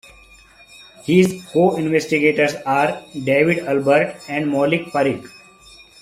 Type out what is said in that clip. His co-investigators are David Albert and Maulik Parikh.